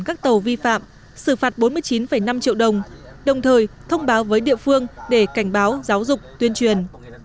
các tàu vi phạm xử phạt bốn mươi chín năm triệu đồng đồng thời thông báo với địa phương để cảnh báo giáo dục tuyên truyền